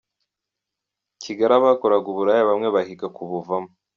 Kigali Abakoraga uburaya bamwe bahiga kubuvamo